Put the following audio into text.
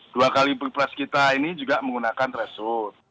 dua kali pilpres kita ini juga menggunakan threshold